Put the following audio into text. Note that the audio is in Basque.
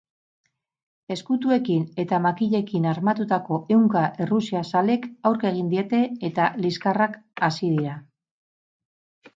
Ezkutuekin eta makilekin armatutako ehunka errusiazalek aurka egin diete eta liskarrak hasi dira.